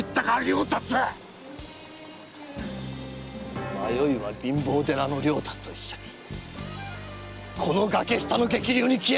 〔迷いは貧乏寺の了達と一緒にこの崖下の激流に消えたよ！〕